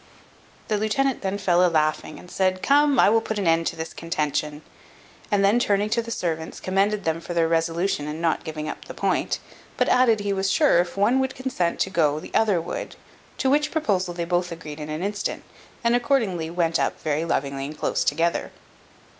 The lieutenant then fell a laughing, and said, "Come, I will put an end to this contention;" and then turning to the servants, commended them for their resolution in not giving up the point; but added, he was sure, if one would consent to go the other would. To which proposal they both agreed in an instant, and accordingly went up very lovingly and close together.